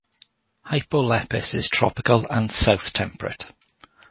"Hypolepis" is tropical and south-temperate.